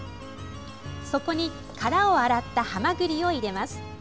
そこに殻を洗ったはまぐりを入れます。